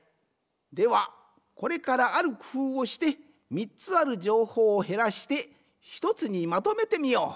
ではこれからあるくふうをして３つある情報をへらして１つにまとめてみよう。